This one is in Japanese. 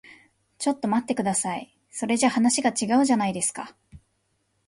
ちょっと待ってください。それじゃ話が違うじゃないですか。